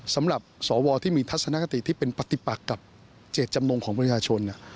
สำหรับสวที่มีทัศนคติที่เป็นปฏิปักกับเจตจำนงของประชาชน